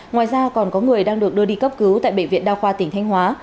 ngoài ra còn có người đang được đưa đi cấp cứu tại bệnh viện đa khoa tỉnh thanh hóa